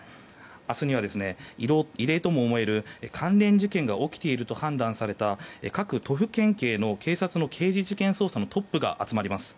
明日には、異例とも思える関連事件が起きていると判断された各都府県警の警察の刑事事件捜査のトップが集まります。